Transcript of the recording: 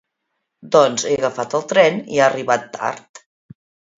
Doncs he agafat el tren i ha arribat tard.